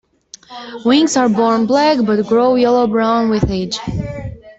Wings are born black but grow yellow-brown with age.